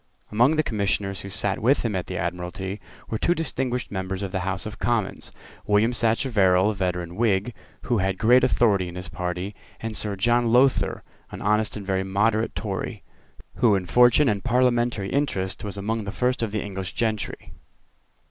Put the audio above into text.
Among the commissioners who sate with him at the Admiralty were two distinguished members of the House of Commons, William Sacheverell, a veteran Whig, who had great authority in his party, and Sir John Lowther, an honest and very moderate Tory, who in fortune and parliamentary interest was among the first of the English gentry.